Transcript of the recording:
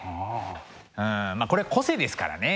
うんこれ個性ですからね。